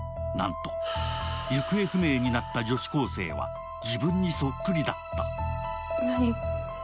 なんと行方不明になった女子高生は自分にそっくりだった。